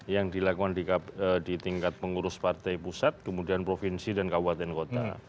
yang dilakukan di tingkat pengurus partai pusat kemudian provinsi dan kabupaten kota